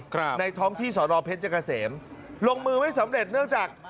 ครับในท้องที่สอนอเพชรเกษมลงมือไม่สำเร็จเนื่องจาก